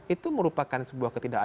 itu merupakan sebuah ketidakadangan